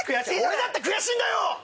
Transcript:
俺だって悔しいんだよ！